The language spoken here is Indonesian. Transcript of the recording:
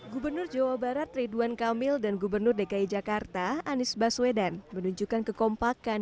gubernur jawa barat ridwan kamil dan gubernur dki jakarta anies baswedan menunjukkan kekompakan